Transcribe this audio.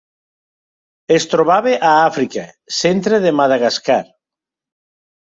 Es trobava a Àfrica: centre de Madagascar.